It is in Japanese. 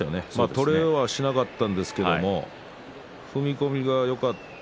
取れはしなかったんですけれども踏み込みがよかった。